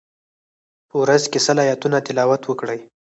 په ورځ کی سل آیتونه تلاوت وکړئ.